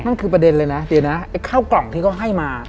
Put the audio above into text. นั่นคือประเด็นเลยนะเดี๋ยวนะไอ้ข้าวกล่องที่เขาให้มา